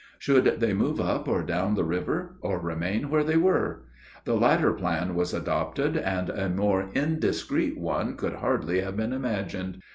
Should they move up or down the river, or remain where they were? The latter plan was adopted, and a more indiscreet one could hardly have been imagined.